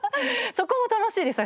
そこも楽しいです。